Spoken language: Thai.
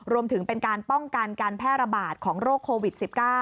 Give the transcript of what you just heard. รวมถึงเป็นการป้องกันการแพร่ระบาดของโรคโควิด๑๙